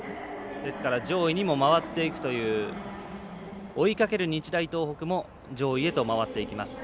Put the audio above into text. ですから上位にも回っていくという追いかける日大東北の上位へと回っていきます。